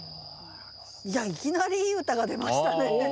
いやいきなりいい歌が出ましたね。